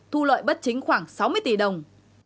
thu lợi bất chính khoảng sáu mươi tỷ đồng